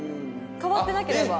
変わってなければ。